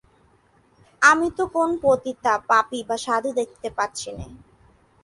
আমি তো কোন পতিতা, পাপী বা সাধু দেখিতে পাচ্ছিনে।